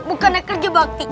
bukannya kerja bakti